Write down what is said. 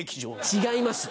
違います